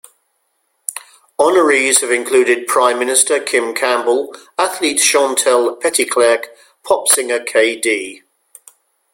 Honorees have included Prime Minister Kim Campbell, athlete Chantal Petitclerc, pop singer k.d.